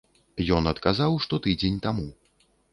Ён адказаў, што тыдзень таму.